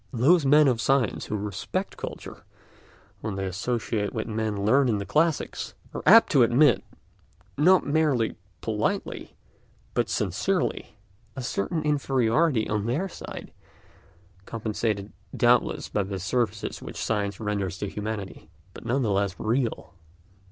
Those men of science who respect culture, when they associate with men learned in the classics, are apt to admit, not merely politely, but sincerely, a certain inferiority on their side, compensated doubtless by the services which science renders to humanity, but none the less real.